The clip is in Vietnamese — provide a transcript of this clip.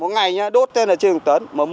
một ngày đốt trên một mươi tấn